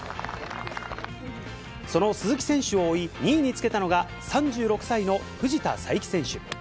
その鈴木選手を追い、２位につけたのが、３６歳の藤田さいき選手。